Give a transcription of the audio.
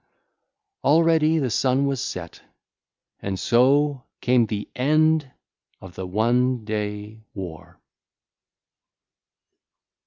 Already the sun was set, and so came the end of the one day war.